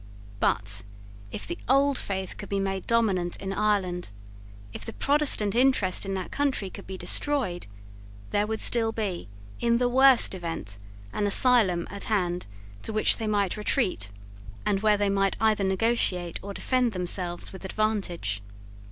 But, if the old faith could be made dominant in Ireland, if the Protestant interest in that country could be destroyed, there would still be, in the worst event, an asylum at hand to which they might retreat, and where they might either negotiate or defend themselves with advantage.